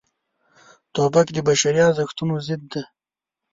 توپک د بشري ارزښتونو ضد دی.